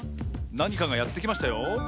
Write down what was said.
なにかがやってきましたよ。